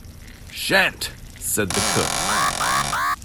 ‘Shan’t,’ said the cook.